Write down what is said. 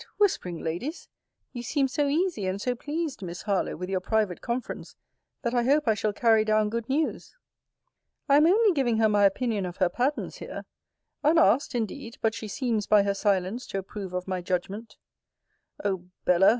whispering ladies! You seem so easy and so pleased, Miss Harlowe, with your private conference, that I hope I shall carry down good news. I am only giving her my opinion of her patterns, here. Unasked indeed; but she seems, by her silence, to approve of my judgment. O Bella!